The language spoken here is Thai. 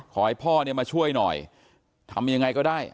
ขอให้พ่อเนี่ยมาช่วยหน่อยทำยังไงก็ได้